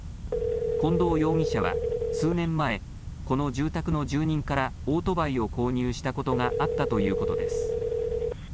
近藤容疑者は、数年前、この住宅の住人からオートバイを購入したことがあったということです。